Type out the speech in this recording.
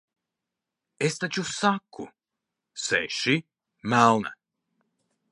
Es taču saku - seši, melna.